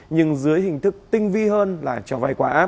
nhưng dưới hình thức tinh vi hơn là cho vay quả áp